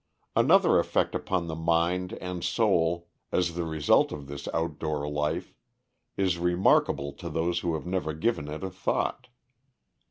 Another effect upon the mind and soul as the result of this outdoor life is remarkable to those who have never given it a thought.